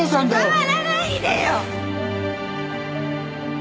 触らないでよ！